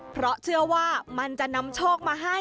เพราะเชื่อว่ามันจะนำโชคมาให้